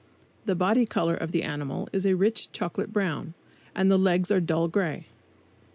The body color of the animal is a rich chocolate brown, and the legs are dull gray.